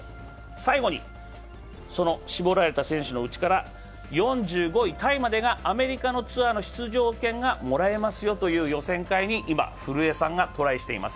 最後にその絞られた選手のうちから４５位タイまでがアメリカのツアーの出場権がもらえますよという予選会に今、古江さんがトライしています。